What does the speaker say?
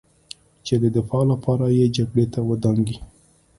چې د دفاع لپاره یې جګړې ته ودانګي